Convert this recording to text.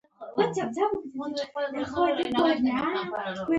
کامن وایس د پښتو ژبې د پرمختګ لپاره یوه ازاده پروسه وړاندې کوي.